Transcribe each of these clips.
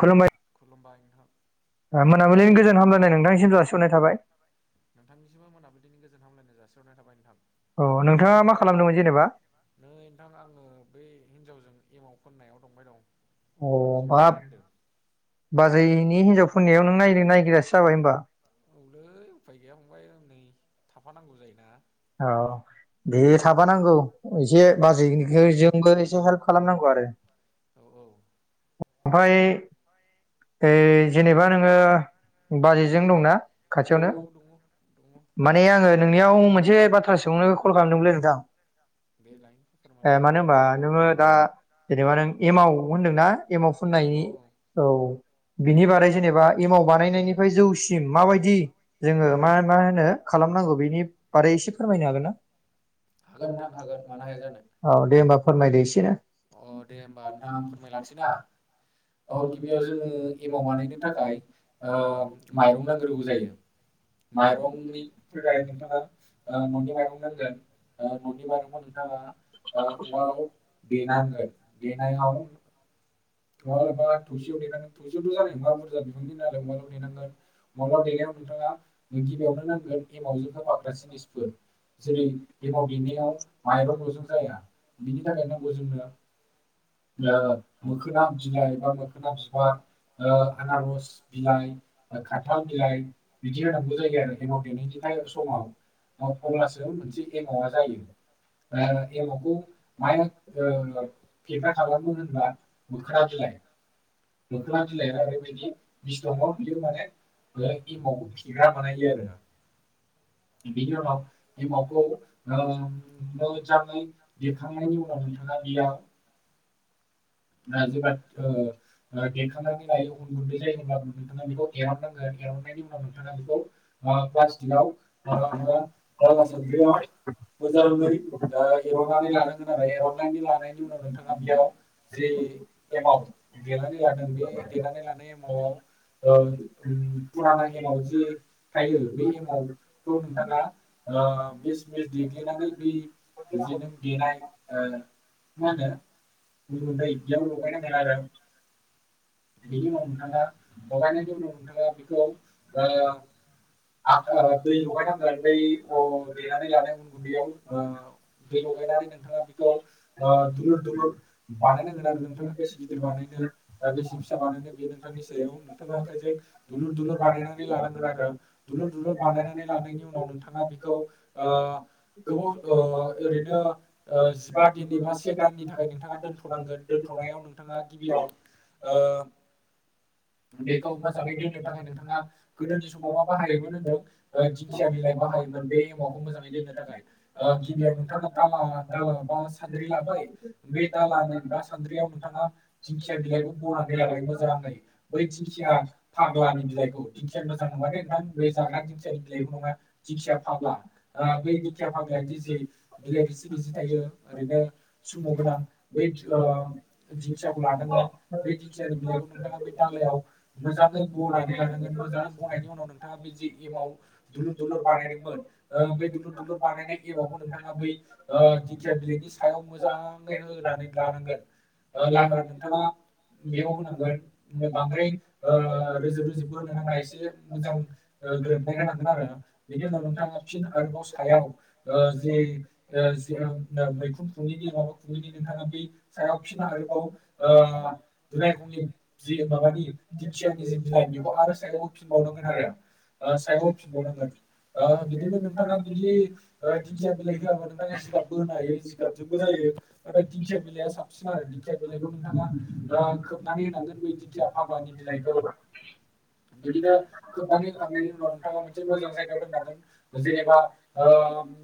खुलुमबाय नोंथां ओ मोनाबिलिनि गोजोन हामलायनाय नोंथांनिसिम जासिहरनाय थाबाय गोजोनाय थाबाय नोंथां नै नोंथां आङो बै हिनजावजों एमाव खननायाव दंबाय दं अ बाब बाजैनि हिनजावफोननायाव नों नाय नायग्रासो जाबाय होनबा? थाफानांगौ जायोना औ दे थाफानांगौ एसे बाजैनि जोंबो एसे हेल्प खालामनांगौ आरो ओमफाय ओइ जेनेबा नोङो बाजैजों दंना खाथियावनो माने आङो नोंनियाव मोनस एसे बाथ्रा सोंनो कल खालामदोंलै नोंथां ओ मानो होनबा नोङो दा जेनेबा नों एम आव होनदोंना एमाव फुननायनि औ बिनि बारै जेनेबा एमाव बानायनायनिफ्राय जौसिम माबायदि जोङो मा मा होनो खालामनांगौ बिनि मारै एसे फोरमायनो हागोन ना औ दे होयबा फोरमायदो एसेनो अ गिबियाव जोङो एमाव बानायनो थाखाय ओ माइरं नांग्रोगौ जायो माइरंनि थाखाय नोंथाङा ओ ननि माइरं नांगोन ओ ननि माइरंखौ नोंथाङा ओ उवालाव देनांगोन देनायाव उवाल एबा थोरसियाव देनांगोन थोरसियावथ जानाय नङा बुरजा बिबांनि नालाय उवालआव देनांगोन उवालाव देनायाव नोंथाङा गिबियावनो नांगोन एमाव जों होफाग्रा जिनिस जेरै एमाव देनायाव माइरंलजों जाया बिनि थाखाय नांगौ जोंनो ओ मोखोना बिलाइ बा मो [inaudible] ओ आनारस बिलाइ ओ खानथाल बिलाइ बिदिनो [inaudible] [inaudible] मोखोना बिलाइ मोखोना बिलाइआ ओरैबायदि बिस दङ बियो माने ओ एमावखौ फेग्रा बानायो आरो। बिनि उनाव एमावखौ ओ मोजाङै देखांनायनि उनाव नोंथाङा बेयाव ओ जेब्ला ओ ओ देखांनानै लायो अन गुन्दै जायो अब्ला नोंथाङा बेखौ एरननांगोन एरननायनि उनाव नोंथाङा बेखौ आ प्लास्टिकआव आ [unintelligible] जि एमाव देनानै लादों बे देनानै लानाय एमाव आव ओ पुराना एमाव जि थायो बे एमाव [inaudible] ओ मा होनो? [unintelligible] लगायनांगोन आरो बिनि उनाव नोंथाङा लगायनायनि उनाव नोंथाङा बेखौ ओ [unintelligible] दै लगायनांगोन बै अ देनानै लानाय अन गुन्दैयाव दै लगायनानै नोंथाङा बेखौ ओ दुलुर दुलुर बानायनांगोन आरो नोंथाङा बेसे गिदिर बानायनो बा बेसे फिसा बानायनो बेयो नोंथांनि सायाव नोंथाङा आखाइजों दुलुर दुलुर बानायनानै लानांगोन आरो दुलुर दुलुर बानायना [inaudible] ओ [inaudible] नोंथाङा दोन्थनांगोन दोन्थनायाव नोंथाङा गिबियाव ओ बेखौ मोजाङै दोननो थाखाय नोंथाङा गोदोनि समाव मा बाहायोमोन होन्दों ओ दिंखिया बिलाइ बाहायोमोन बे एमावखौ मोजाङै दोननो थाखाय ओ गिबियाव नोंथाङा दाला दाला बा सान्द्रि लाबाय बे दाला [unintelligible] बा सान्द्रियाव नोंथाङा दिंखिया बिलाइखौ बनानै लाबाय मोजाङै बै दिंखिया फाग्लानि बिलाइखौ दिंखिया मोजां नङा दे नोंथां बै जाग्रा दिंखियानि बिलाइखौ नङा दिंखिया फाग्ला आ बै दिंखिया फाग्लायादि जि बिलाइ रिजि रिजि थायो ओरैनो सुमु गोनां बै ओ दिंखियाखौ लानांगोन बे दिंखियानि बिलाइखौ नोंथाङा बै दालायाव मोजाङै बनानै लानांगोन मोजाङै बनायनि उनाव नोंथाङा बे जे एमाव [inaudible] ङै होनानै लानांगोन ओ ला नोंथाङा बेयाव होनांगोन बांद्राय ओ रोजोब रोजोबो होनो नाङा एसे मोजां ओ गोरोब [unintelligible] होनांगोन आरो बिनि उनाव नोंथाङा फिन आरोबाव सायाव ओ जि ओ [unintelligible] खुङैनि नोंथाङा बै सायाव फिन आरोबाव ओ दुनायखंनि जि माबानि दिंखियानि जि बिलाइ बेखौ आरो सायाव होफिनबावनांगोन आरो ओ सायाव होफिनबावनांगोन ओ बिदिनो नोंथाङा बिदि दिंखिया बिलाइ होआबा नोंथाङा जिगाबबो होनो हायो जिगाबजोंबो जायो। नाथाय दिंखिया बिलाइआ साबसिन आरो दिंखिया बिलाइखौ नोंथाङा ओ खोबनानै होनांगोन बै दिंखिया फाग्लानि बिलाइखौ बिदिनो खोबनानै होखांनायनि उनाव नोंथाङा मोनसे मोजां जायगायाव दोननांगोन जेनेबा ओ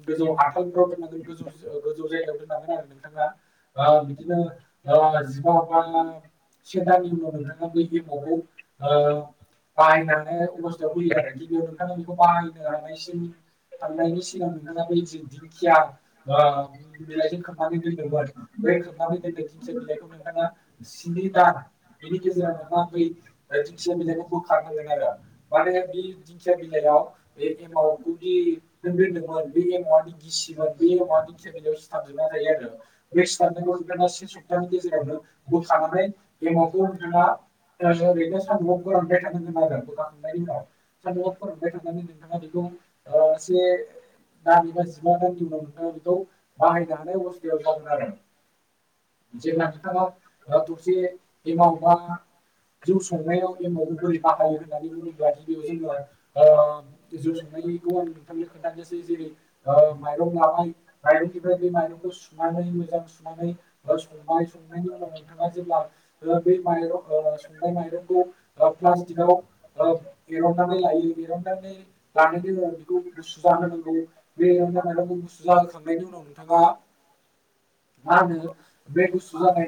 गोजौ आथालफ्राव दोननांगोन गोजौ जायगायाव दोननांगोन आरो नोंथां नोंथाङा ओ बिदिनो ओ जिबा बा से दाननि उनाव नोंथाङा बै एमावखौ ओ बाहायनो हानाय अबस्थायाव फैयो आरोखि [unintelligible] दोंमोन बै खोबनानै दोननाय दिंखिया बिलाइखौ नोंथाङा स्नि दान बिनि गेजेराव नोंथाङा बै दिंखिया बिलाइखौ बोखारनांगोन आरो माने बि दिंखि दिंखिया बिलाइयाव बे एमावखौ दि नों दोनदोंमोन बे एमावदि गिसिमोन बे एमावा दिंखिया बिलाइआव सिथाबजोबना थायो आरो। बै सिथाबनायखौ नोंथाङा से सप्तानि गेजेरावनो बोखानानै एमावखौ नोंथाङा ओरैनो सान्दुंआव फोरानबाय थानांगोन आरो बोखाखांनायनि उनाव। सान्दुंङाव फोरानबाय थानानै नोंथाङा बेखौ ओ से दाननि बा जिबा दाननि उनाव नोंथाङा बेखौ बाहायनो हानाय अबस थायाव जागोन आरो जेब्ला नोंथाङा थरसे एमाव बा जौ संनायाव एमावखौ बोरै बाहायो होननानै बुङोब्ला गिबियाव जोङो ओ‌ जौ संनायनिखौ आं नोंथांनो खोन्थानोसै जेरै ओ माइरं लाबाय माइंनिफ्राय बे मारंखौ सु सुनानै मोजां सुनानै ओ संबाय संनायनि उनाव नोंथाङा जेब्ला बे माइरं संनाय माइरंखौ ओ प्लास्टिकआव एरननानै लायो एरननानै लानायनि उनाव बेखौ गुसुजा होनांगौ बे एरननाय माइरंखौ गुसुजा होखांनायनि उनाव नोंथाङा मा होनो बे गुसु जानाय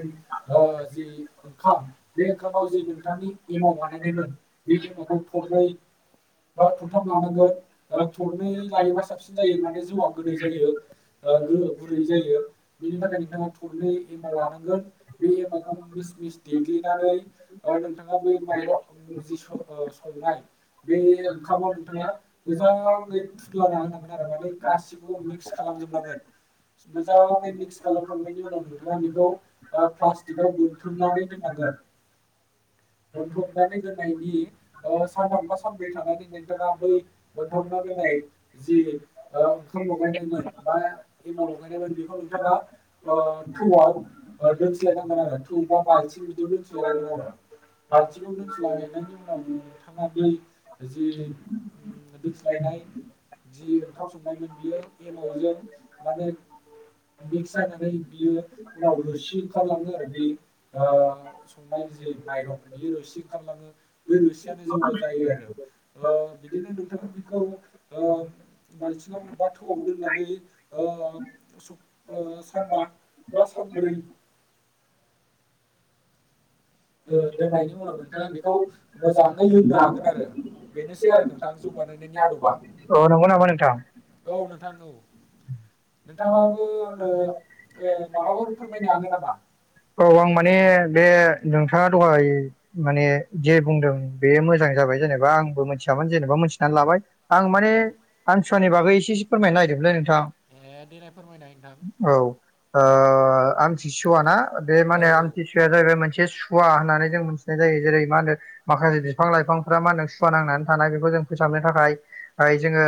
ओ जि ओंखाम बे ओंखामाव जि नोंथांनि एमाव बानायनायमोन बे एमावखौ थरनै बा थरथाम लानांगोन ओ थरनै लायोबा साबसिन जायो माने जौआ गोदै जायो गुरै जायो। बेनि थाखाय नोंथाङा थरनै एमाव लानांगोन बे एमावखौ मिस मिस देग्लिनानै ओ नोंथाङा बै माइरं जि संनाय बे ओंखामाव नोंथाङा मोजाङै फुलाना होनांगोन आरो माने गासिखौबो मिक्स खालामजोबनांगोन मोजां [unintelligible] [unintelligible] [unintelligible] ओ थौआव दोनस्लायनांगोन आरो थौबा बाल्थिं बिदियाव दोनस्लायनांगोन आरो बाल्थिङाव दोनस्लायनायनि उनाव नोंथाङा बै जि दोनस्लायनाय जि ओंखाम संनायमोन बियो एमावजों माने मिक्स जानानै बियो उनाव रोसि ओंखारलाङो आरो बे ओ संनाय जि माइरं बियो रोसि ओंखारलाङो बै रोसियानो जौआ जायो आरो बिदिनो नोंथाङा बेखौ ओ बाल्थिङाव बा थौआव दोननानै ओ सं ओ सानबा बा सानब्रै ओ दोननायनि उनाव नोंथाङा बेखौ मोजाङै लोंनो हागोन आरो बेनोसै आरो नोंथां जौ बानायनायनि आदबा औ नोंथां औ। औ आं माने बे नोंथाङा दहाय माने जे बुंदों बेयो मोजां जाबाय जेनेबा आंबो मिथियामोन जेनेबा मिथिनानै लाबाय। आं माने आं फुसानि बागै एसे फोरमायनो नागिरदों नोंथां औ ओ आमथिसुवा ना बे माने आमथिसुवाया जाहैबाय मोनसे सुवा होननानै जों मिथिनाय जायो जेरै मा होनो माखासे बिफां लाइफांफ्रा मा होनो सुवा नांनानै थानाय बेखौ जों फोसाबनो थाखाय जोङो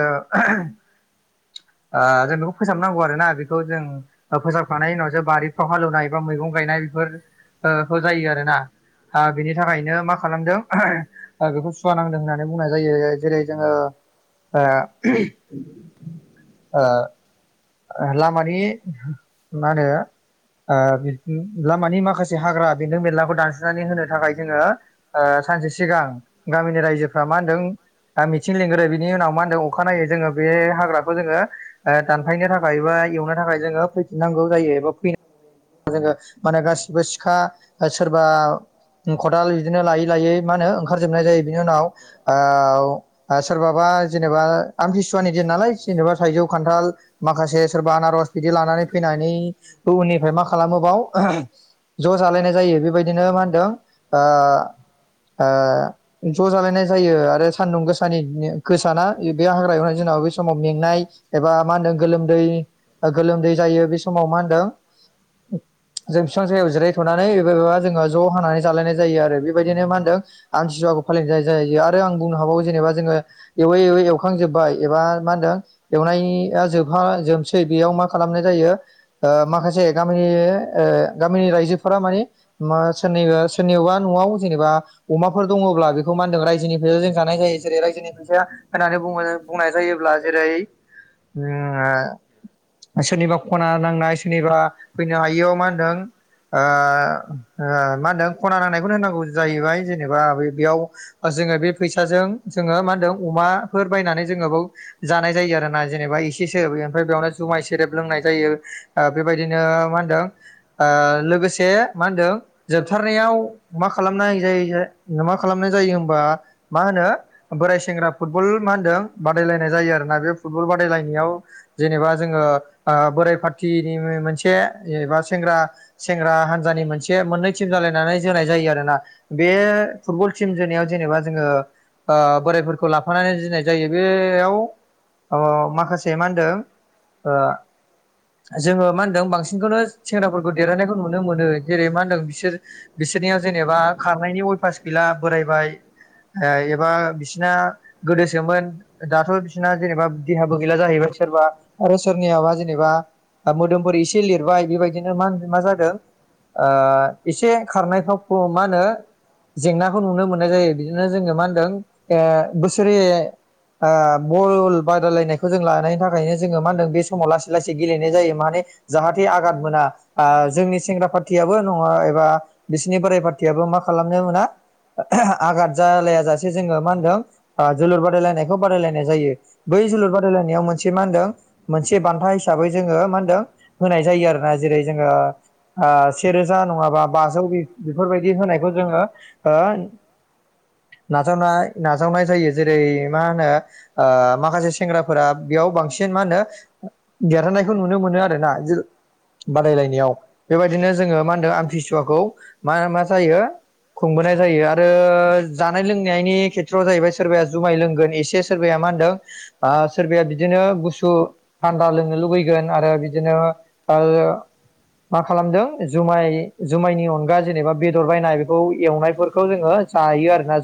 जों बेख फोसाबनांगौ आरोना बेखौ जों फोसाबखानायनायनि उनावसो बारिफ्राव हालेवनाय बा मैगं गायनाय बेफोर जायो आर ना बिनि थाखायनो मा खालामदों बेखौ सुवा नांदों होननानै बुंनाय जायो जेरै जोङो ओ ओ लामानि मा होनो लामानि माखासे हाग्रा बेदों बेलाखौ दानसुनानै होनो थाखाय जोङो सानसे सिगां गामिनि रायजोफ्रा मा होनदों मिथिं लेंग्रो बिनि उनाव मा होनदों अखानायनायै जोङो बे हाग्राखौ जोङो ओ दान आखायनो थाखाय बा एवनो थाखाय जोङो फैफिननांगौ जायो एबा फै जोङो माने गासिबो सिखा सोरबा खदाल बिदिनो लायै लायै मा होनो ओंखार जोबनाय जायो बिनि उनाव सोरबाबा जेनेबा आमतिसुवानि दिन नालाय जेनेबा थायजौ खान्थाल माखासे सोरबा आनारस बिदि लानानै फैनानैबो उननिफ्राय मा खालामोबाव ज जालायनाय जा जायो बेबायदिनो मा होनदों ओ ओ ज जालायनाय जायो आरो सान्दुं गोसानि गोसाना बे हाग्रा एवनाय जोंनाव बे समाव मेंनाय एबा मा होनदों। दै गोलोमदै जायो बे समाव मा होनदों जों बिफां सायाव जिरायथनानै एाबा जोङो ज हानानै जालायनाय जायो आरो बेबायदिनो मा होनदों आमतसुवाखौ फालिनाय जायो आरो आं बुंनो हाबावो जेनेबा जोङो एव एव एवखांजोब्बाय एबा मा होनदों एवनाया जोब हा जोबसै बेयाव मा खालामनाय जायो माखासे गामिनि गामिनि रायजोफोरा मानि सोरनिबा सोरनिबा नआव जेनेबा अमाफोर दङब्ला बेखौ मा होनदों रायजोनि फैसा जों जानाय जायो जेरै रायजोनि फैसाया होननानै बङ बुंनाय जायोब्ला जेरै ओम आ सोरनिबा खना नांनाय सोरनिबा फैनो हायियाव मा होनदों ओआ मा होनदों खना नांनायखौनो होनांगौ जाहैबाय जेनेबा बेयाव जोङो बे फैसाजों जोङो मा होनदों अमाफोर बायनानै जोङो बेयाव जानाय जायो आरो ना जेनेबा एस एसेसो ओमफ्राय बेयावनो जुमाय सेरेब लोंनाय जायो बेबायदिनो मा होनदों लोगोसे मा होनदों जोबथारनायाव मा खालामनाय जायो मा खालामनाय जायो हबा मा होनो बोराय सेंग्रा फुटबल मा होनदों बादायलायनाय जायो आरोना बे फुटबल बादायलायनायाव जेनेबा जोङो बोराइ पार्थिनि मोनसे जेनेबा सेंग्रा सेंग्रा हान्जानि मोनसे मोननै टिम जालायनानै जोनाय जायो आरोना बे फुटबल टिम जोनायाव जेनेबा जोङो बोरायफोरखौ लाफानानै जोनाय जायो ओ बेयाव माखासे मा होनदों जोङो मा होनदों बांसिनखौनो सेंग्राफोरखौ देरहानायखौ नुनो मोनो जेरै मा होनदों बिसोर बिसोरनियाव जेनेबा खारनायनि अय पास गैला बोरायबाय एबा बिसिोरना गोदोसोमोन दाथ बिसोरना जेनेबा देहाबो जाहैबाय सोरबा आरो सोरनिया जेनेबा मोदोमफोर एसे लिरबाय बेबायदिनो मा होन मा जादों एसे खारनायफ्राव मा होनो जेंनाखौ नुनो मोननाय जायो बिदिनो जोङो मा होनदों बोसोरे बल बादायलायनायख जों लानायनि थाखायनो जोङो मा होनदों बे समाव लासै लासै गेलनाय जायो माने जाहाथे आगाद मोना ओ जोंनि सेंग्राफारथियाबो एबा बिसोरनि बोराय फारथियाबो मा खालामनो दोंङोना आगाद जालाया जासे जोंङो माहोनदों ओ जोलुर बादायलायनायखौ बादायलायनाय जायो बै बादायलायनायाव मोनसे मा होनदों मोनसे बान्था हिसाबै जोङो मा होनदों होनाय जायो आरोोना जेरै जोङो सेेरोजा नङाबा बाजौ बेफोरबायदि होनायखौ जोङो ओ नाजानाय नाजावनाय जायो जेरै मा होनो ओ माखासे सि सेंग्राफोरा बेयाव बांसिन मा होनो देरहानायखौ नुनो मोनो आरो ना जो बादायलायनायाव बे बायदिनो जोङो आमथिसुवाखौ मा जायो खुंबोनाय जायो आरो जा जानाय लोंनायनि खेथ्रआव जाहैबाय सोरबाया जुमाय लोंगोन एसे सोरबाया मा होनदों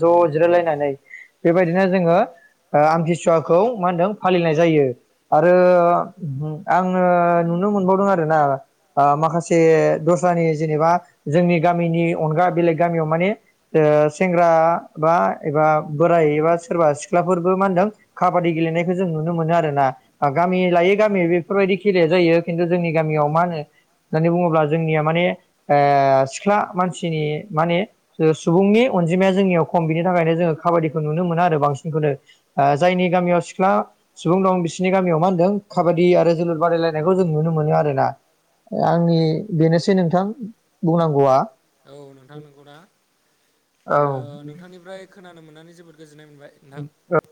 ज जिरायलायनानै बेबायदिनो जोङो ओ आमथिसुवाखौ मा होनदों फालिनाय जायो आरो आङो नुनो मोनबावदों आरोना ओ माखासे दस्रानि जेनेबा जोंनि गामिनि अनगा बेलेग गामियाव माने ओ सेंग्रा बा एबा बोराय एबा सोरबा सिख्लाफोरबो मा होनदों खाब गेलेनायखौ जों नुनो मोनो आरोना गामि लायै गामि बेफोरबायदि खेलाया जायो खिन्थु जोंनि गामियाव मा होनो होननानै बुङोब्ला जोंनिया माने ओ सिख्ला मानसिनि माने ओ सुबुंनि अनजिमाया जोंनियाव खम बिनि थाखायनो जोङो काबादिखौ नुनो मोनो आरो बांसिनखौनो ओ जायनि गामियाव सिख्ला सुबुं दं बिसोरनि गामियाव मा होनदों काबादि आरो जोलुर बादायलायनायखौ जों नुनो मोनो आरोना आंनि बेनोसै नोंथां बुंनांगौआ औ जोनाय मोनबाय नोंथां